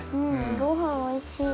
ごはんおいしい。